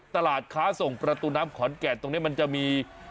ตลาดค้าส่งประตูน้ำขอนแก่นตรงนี้มันจะมี